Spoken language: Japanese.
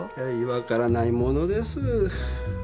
分からないものです。